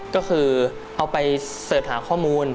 ก็คือเอาไปเสิร์ชหาข้อมูล